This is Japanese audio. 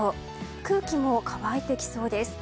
空気も乾いてきそうです。